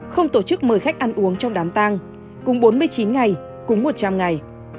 không tổ chức mời khách ăn uống trong đám tang cùng bốn mươi chín ngày cúng một trăm linh ngày